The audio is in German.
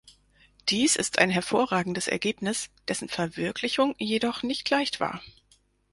Dies ist ein hervorragendes Ergebnis, dessen Verwirklichung jedoch nicht leicht war.